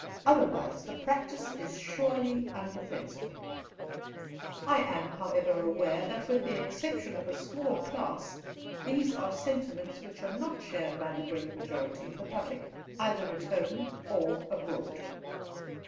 Otherwise, the practice is surely undefensible. "I am aware, however, that with the exception of a small class, these are sentiments which are not shared by the great majority of the public, either at home or abroad."